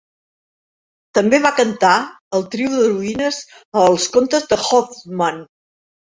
També va cantar el trio d'heroïnes a Els contes de Hoffmann.